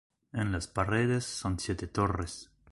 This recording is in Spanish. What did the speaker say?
En las paredes son siete torres.